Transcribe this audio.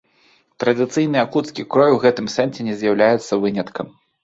Традыцыйны якуцкі крой у гэтым сэнсе не з'яўляецца выняткам.